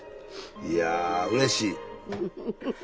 いやうれしい。